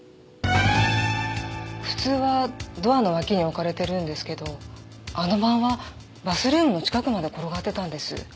普通はドアの脇に置かれているんですけどあの晩はバスルームの近くまで転がっていたんです。